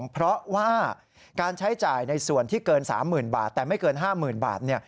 เพราะว่าการใช้จ่ายในส่วนที่เกิน๓๐๐๐บาทแต่ไม่เกิน๕๐๐๐บาท